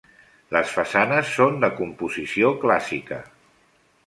Les façanes són de composició clàssica.